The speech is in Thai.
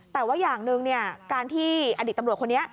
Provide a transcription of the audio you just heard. แต่ว่าอย่างหนึ่งการที่อดีตตำรวจคนนี้